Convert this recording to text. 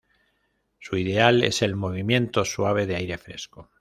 Su ideal es el movimiento suave de aire fresco.